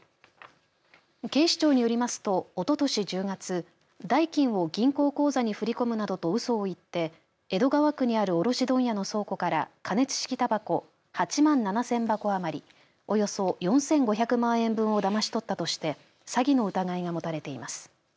警視庁によりますとおととし１０月代金を銀行口座に振り込むなどとうそを言って江戸川区にある卸問屋の倉庫から加熱式たばこ８万７０００箱余りおよそ４５００万円分をだまし取ったとして詐欺の疑いが持たれています。